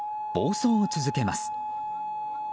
暴走を続けます。